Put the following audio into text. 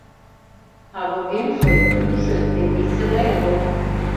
А вургемже, ӱпшӧ теҥгечсе гай огыл.